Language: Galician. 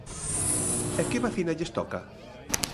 E que vacina lles toca?